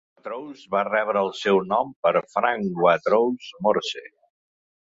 Watrous va rebre el seu nom per Frank Watrous Morse.